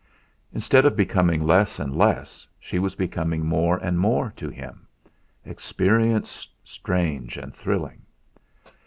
Instead of becoming less and less, she was becoming more and more to him experience strange and thrilling!